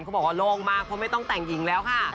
เขาบอกว่าโล่งมากเพราะไม่ต้องแต่งหญิงแล้วค่ะ